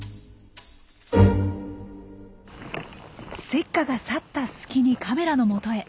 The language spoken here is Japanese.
セッカが去った隙にカメラのもとへ。